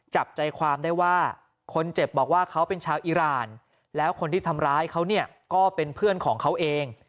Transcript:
จับใจความได้ว่าคนเจ็บบอกว่าเขาเป็นชาวอิราณแล้วคนที่ทำร้ายเขาเนี่ยก็เป็นเพื่อนของเขาเอง